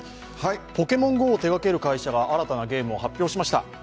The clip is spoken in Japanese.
ポケモンＧＯを手がける会社が新たなゲームを開発しました。